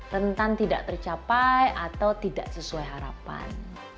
rentan tidak tercapai atau tidak sesuai harapan